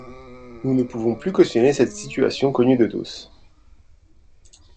Nous ne pouvons plus cautionner cette situation connue de tous.